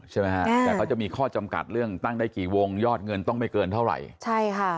แต่เขาจะมีข้อจำกัดเรื่องตั้งได้กี่วงยอดเงินต้องไม่เกินเท่าไหร่